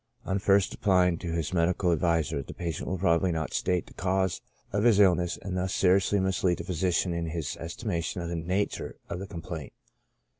On first applying to his medical adviser, the patient will probably not state the cause of his SYMPTOMS. 25 illness, and thus seriously mislead the physician in his esti mation of the nature of the complaint.